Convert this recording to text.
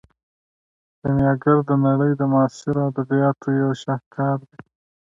کیمیاګر د نړۍ د معاصرو ادبیاتو یو شاهکار دی.